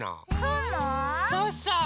そうそう。